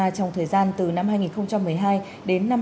trong thời gian từ năm hai nghìn một mươi hai đến năm hai nghìn một mươi bốn